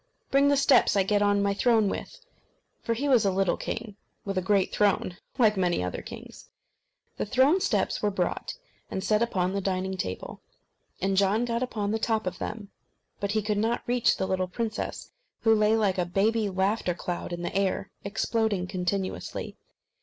bring the steps I get on my throne with." For he was a little king with a great throne, like many other kings. The throne steps were brought, and set upon the dining table, and John got upon the top of them. But, he could not reach the little princess, who lay like a baby laughter cloud in the air, exploding continuously.